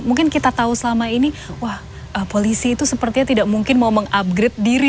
mungkin kita tahu selama ini wah polisi itu sepertinya tidak mungkin mau mengupgrade diri